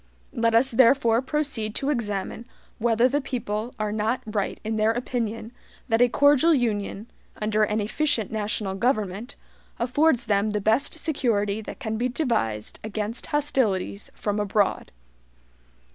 Let us therefore proceed to examine whether the people are not right in their opinion that a cordial Union, under an efficient national government, affords them the best security that can be devised against HOSTILITIES from abroad.